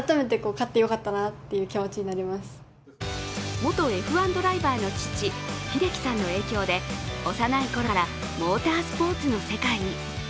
元Ｆ１ドライバーの父・英樹さんの影響で幼いころからモータースポーツの世界に。